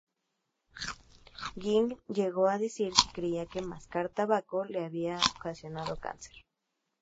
Gwynn llegó a decir que creía que mascar tabaco le había ocasionado cáncer.